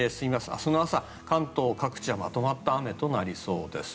明日の朝、関東各地はまとまった雨となりそうです。